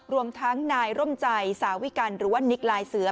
รวมทั้งนายร่มใจสาวิกัลหรือว่านิกลายเสือ